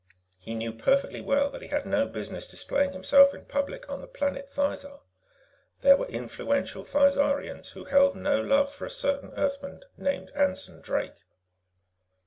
He knew perfectly well that he had no business displaying himself in public on the planet Thizar; there were influential Thizarians who held no love for a certain Earthman named Anson Drake.